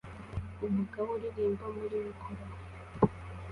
Umugabo uririmba muri mikoro